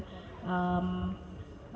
apa yang kata ibu